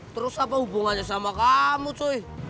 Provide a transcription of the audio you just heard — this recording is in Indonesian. terus apa hubungannya sama kamu soe